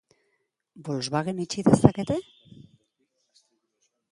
Volkswagen itxi dezakete?